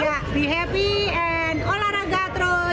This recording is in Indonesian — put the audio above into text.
ya di happy and olahraga terus